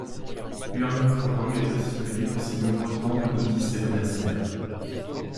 Luang Prabang est connu pour ses nombreux temples bouddhistes et monastères.